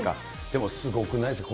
でもすごくないですか。